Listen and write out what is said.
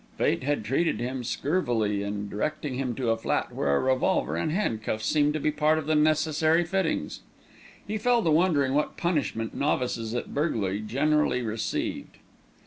Fate had treated him scurvily in directing him to a flat where a revolver and handcuffs seemed to be part of the necessary fittings. He fell to wondering what punishment novices at burglary generally received.